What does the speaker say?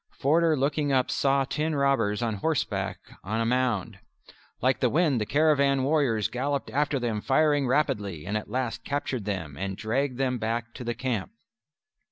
Forder looking up saw ten robbers on horseback on a mound. Like the wind the caravan warriors galloped after them firing rapidly, and at last captured them and dragged them back to the camp.